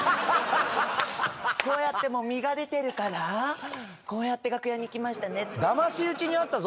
こうやってもう実が出てるからこうやって楽屋に行きましたね。